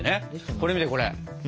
これ見てこれ！